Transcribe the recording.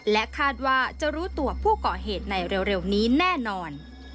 และคาดว่าจะรู้ตัวผู้ก่อเหตุในเร็วนี้แน่นอน